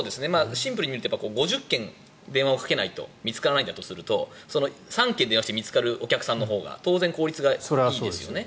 シンプルに言うと５０件電話をかけないと見つからないんだとすると３件電話して見つかるお客さんのほうが効率がいいですよね。